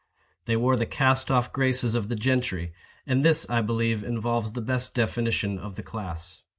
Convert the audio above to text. They wore the cast off graces of the gentry;—and this, I believe, involves the best definition of the class.